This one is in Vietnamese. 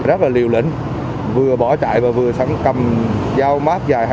rất là liều lĩnh vừa bỏ chạy và vừa sẵn cầm dao mát dài